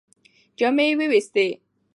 جامې یې ووېستې.